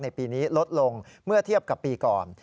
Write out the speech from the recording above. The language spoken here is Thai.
ปีนี้ลดลงเมื่อเทียบกับปีก่อน